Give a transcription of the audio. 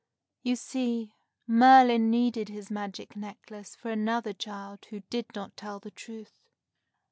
You see, Merlin needed his magic necklace for another child who did not tell the truth.